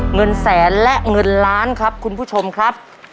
เงินแสนและเงินล้านครับคุณผู้ชมครับ